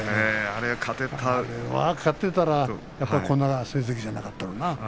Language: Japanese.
あれを勝っていたらこんな成績じゃなかったよね。